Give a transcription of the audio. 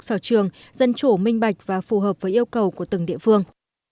sở trường dân chủ minh bạch và phù hợp với yêu cầu của từng địa phương